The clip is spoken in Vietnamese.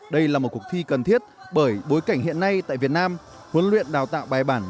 đây là một cuộc thi cần thiết bởi bối cảnh hiện nay tại việt nam huấn luyện đào tạo bài bản